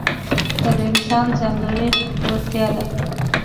دا د انسان ځانګړې وړتیا ده.